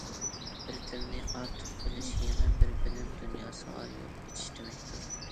بىر تىلنى ئارتۇق بىلىش يېڭى بىر بىلىم دۇنياسىغا يول ئېچىش دېمەكتۇر.